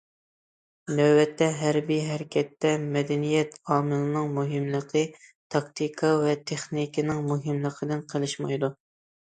نۆۋەتتە ھەربىي ھەرىكەتتە مەدەنىيەت ئامىلىنىڭ مۇھىملىقى تاكتىكا ۋە تېخنىكىنىڭ مۇھىملىقىدىن قېلىشمايدۇ.